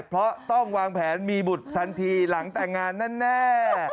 เพราะต้องวางแผนมีบุตรทันทีหลังแต่งงานแน่